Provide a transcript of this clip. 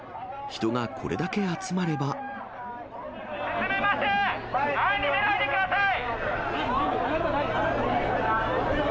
進めません、前に出ないでください！